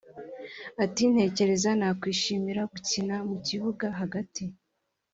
Ati “ Ntekereza nakwishimira gukina mu kibuga hagati